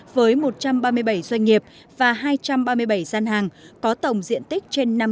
với một trăm linh triệu doanh nghiệp